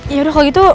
ya udah kalau gitu